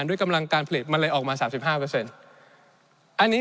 ในช่วงที่สุดในรอบ๑๖ปี